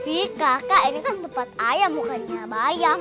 ih kakak ini kan tempat ayam bukannya bayam